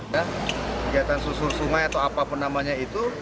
kegiatan susul sungai atau apa penamanya itu